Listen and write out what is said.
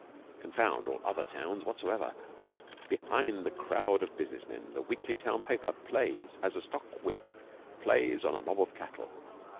Confound all other towns whatsoever. Behind the crowd of business men the weekly town paper plays as a stockwhip plays on a mob of cattle.